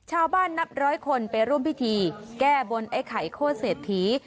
นับร้อยคนไปร่วมพิธีแก้บนไอ้ไข่โคตรเศรษฐี